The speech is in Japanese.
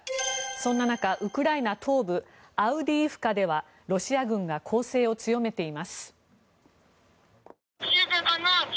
そんな中、ウクライナ東部アウディイフカではロシア軍が攻勢を強めています。